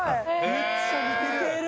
めっちゃ似てる！